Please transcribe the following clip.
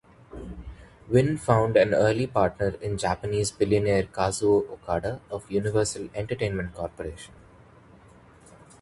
Wynn found an early partner in Japanese billionaire Kazuo Okada of Universal Entertainment Corporation.